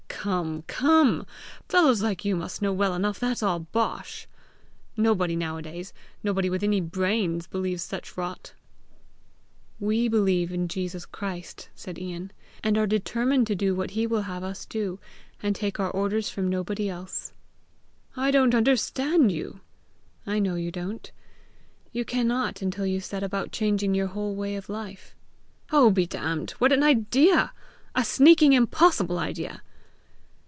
"Come, come! fellows like you must know well enough that's all bosh! Nobody nowadays nobody with any brains believes such rot!" "We believe in Jesus Christ," said Ian, "and are determined to do what he will have us do, and take our orders from nobody else." "I don't understand you!" "I know you don't. You cannot until you set about changing your whole way of life." "Oh, be damned! what an idea! a sneaking, impossible idea!"